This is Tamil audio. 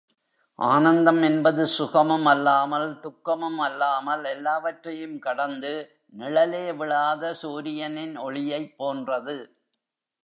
ஆனந்தம் என்பது சுகமும் அல்லாமல், துக்கமும் அல்லாமல் எல்லாவற்றையும் கடந்து, நிழலே விழாத சூரியனின் ஒளியைப் போன்றது.